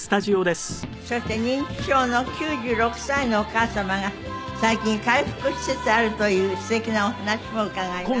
そして認知症の９６歳のお母様が最近回復しつつあるというすてきなお話も伺います。